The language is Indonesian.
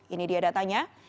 ini dia datanya